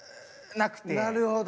なるほど。